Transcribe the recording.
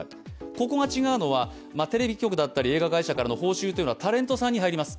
ここが違うのは、テレビ局だったり映画会社からの報酬はタレントさんに入ります。